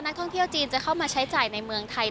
ท่องเที่ยวจีนจะเข้ามาใช้จ่ายในเมืองไทย